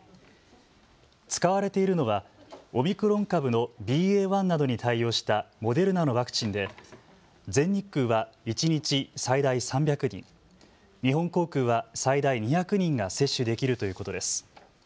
使われているのはオミクロン株のＢＡ．１などに対応したモデルナのワクチンで全日空は一日最大３００人、日本航空は最大２００人が接種できるということです。